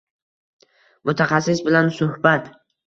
mutaxassis bilan suhbat